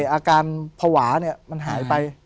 อาการภาวะมันหายไป